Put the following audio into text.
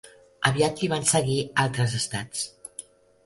Aviat li van seguir altres estats.